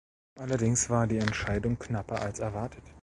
Allerdings war die Entscheidung knapper als erwartet.